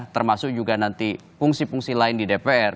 termasuk juga nanti fungsi fungsi lain di dpr